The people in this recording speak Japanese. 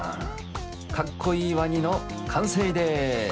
かっこいいワニのかんせいです。